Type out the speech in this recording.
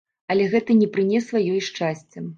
Але гэта не прынесла ёй шчасця.